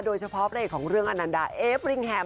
โดยเฉพาะพระเอกของเรื่องอนันดาเอฟริงแฮม